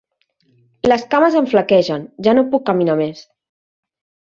Les cames em flaquegen: ja no puc caminar més!